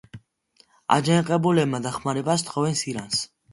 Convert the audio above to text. აჯანყებულებმა დახმარება სთხოვეს ირანს.